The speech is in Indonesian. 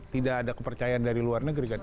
tidak ada kepercayaan dari luar negeri kan